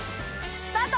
スタート